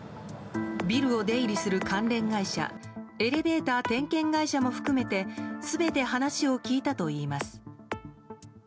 ビルを出入りする関連会社エレベーター点検会社も含めて全て話を聞いたといいます。